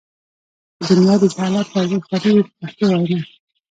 په دنیا د جهالت پردې خورې وې په پښتو وینا.